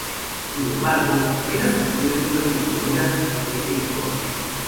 Sin embargo, esas opiniones fueron incluidas en ese informe.